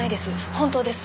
本当です。